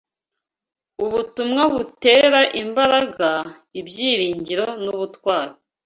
ubutumwa butera imbaraga, ibyiringiro n’ubutwari